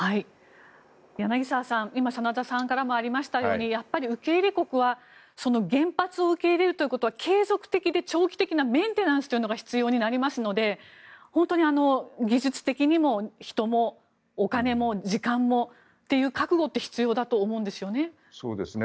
柳澤さん真田さんからもありましたようにやっぱり受け入れ国は原発を受け入れるということは継続的で長期的なメンテナンスというのが必要になりますので本当に技術的にも人もお金も時間もという覚悟って必要だと思うんですよね。